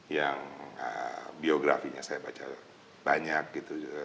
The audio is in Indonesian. yang biografinya saya baca banyak gitu